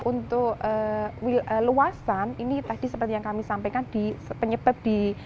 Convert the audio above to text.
untuk luasan ini tadi seperti yang kami sampaikan di penyebab di